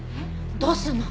どうすんの？